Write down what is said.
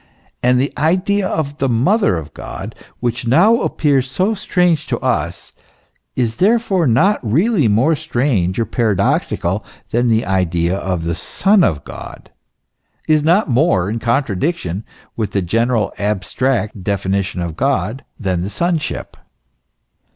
And the idea of the Mother of God, which now appears so strange to us, is therefore not really more strange or paradoxical, than the idea of the Son of God, is not more in contradiction with the general, abstract definition of God than the Sonship.